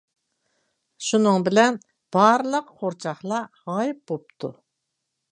شۇنىڭ بىلەن، بارلىق قورچاقلار غايىب بوپتۇ.